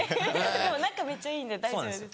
仲めっちゃいいんで大丈夫です。